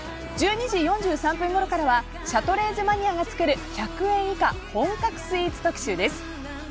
１２時４３分ごろからはシャトレーゼマニアが作る１００円以下本格スイーツ特集です。